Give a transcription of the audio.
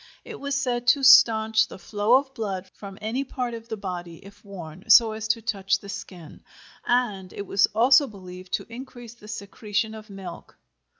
It was said to stanch the flow of blood from any part of the body if worn so as to touch the skin, and it was also believed to increase the secretion of milk.